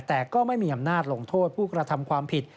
แต่ก็ไม่มีอำนาจลงโทษผู้กระทำความผิด